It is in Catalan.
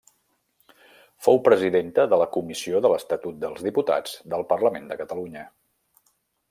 Fou presidenta de la Comissió de l'Estatut dels Diputats del Parlament de Catalunya.